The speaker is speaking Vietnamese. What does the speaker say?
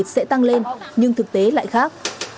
thịt sẽ tăng lên nhưng thực tế lại khác